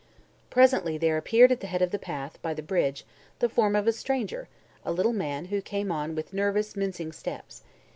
Presently there appeared at the head of the path, by the bridge, the form of a stranger, a little man who came on with nervous, mincing steps.